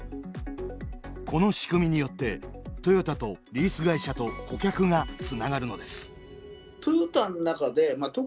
この仕組みによってトヨタとリース会社と顧客がつながるのです。